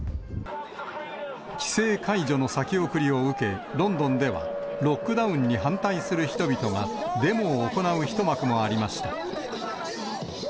規制解除の先送りを受け、ロンドンでは、ロックダウンに反対する人々がデモを行う一幕もありました。